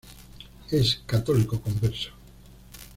Es católico converso.